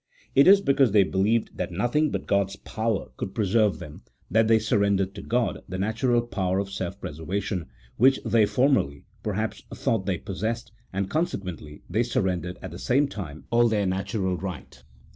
It is because they believed that nothing but God's power could preserve them that they surrendered to God the natural power of self preser vation, which they formerly, perhaps, thought they pos sessed, and consequently they surrendered at the same time all their natural right.